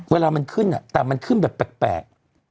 เวลามันขึ้นแต่มันขึ้นแบบแปลก